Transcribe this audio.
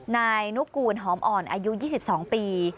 นายนุกูลหอมอ่อนอายุ๒๒ปี